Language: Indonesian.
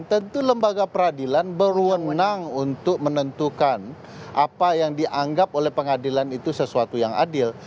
tentu lembaga peradilan berwenang untuk menentukan apa yang dianggap oleh pengadilan itu sesuatu yang adil